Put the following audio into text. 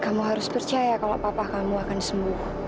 kamu harus percaya kalau papa kamu akan sembuh